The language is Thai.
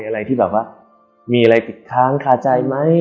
อะไรที่มีอะไรปิดค้างคาใจไหม